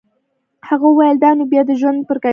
هغه وویل دا نو بیا د ژوند پر کیفیت اړه لري.